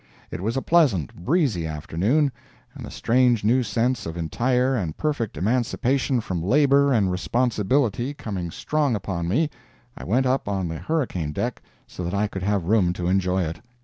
It was a pleasant, breezy afternoon, and the strange new sense of entire and perfect emancipation from labor and responsibility coming strong upon me, I went up on the hurricane deck so that I could have room to enjoy it.